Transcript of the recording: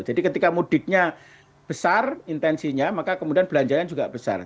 jadi ketika mudiknya besar intensinya maka kemudian belanjanya juga besar